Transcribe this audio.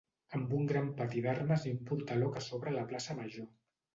Amb un gran pati d'armes i un portaló que s'obre a la plaça Major.